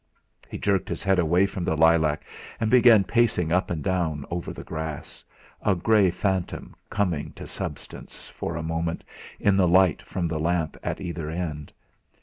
He jerked his head away from the lilac, and began pacing up and down over the grass, a grey phantom coming to substance for a moment in the light from the lamp at either end.